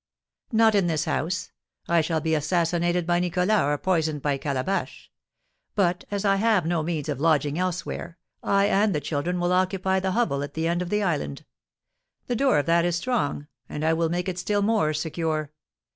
"Not in this house. I shall be assassinated by Nicholas, or poisoned by Calabash. But, as I have no means of lodging elsewhere, I and the children will occupy the hovel at the end of the island; the door of that is strong, and I will make it still more secure.